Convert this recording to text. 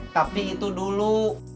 tapi itu dulu